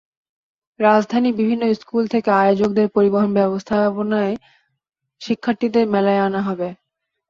রাজধানীর বিভিন্ন স্কুল থেকে আয়োজকদের পরিবহন ব্যবস্থাপনায় শিক্ষার্থীদের মেলায় আনা হবে।